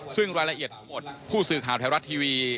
ซึ่งรายละเอียดผู้สื่อข่าวไทยรัฐทีวี